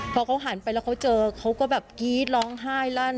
พอเขาหันไปแล้วเขาเจอเขาก็แบบกรี๊ดร้องไห้ลั่น